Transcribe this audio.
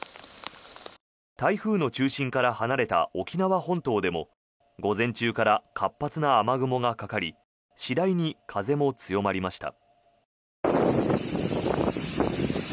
台風の中心から離れた沖縄本島でも午前中から活発な雨雲がかかり次第に風も強まりました。